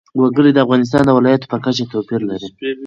وګړي د افغانستان د ولایاتو په کچه توپیر لري.